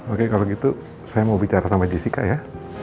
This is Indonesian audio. oke kalau gitu saya mau bicara sama jessica ya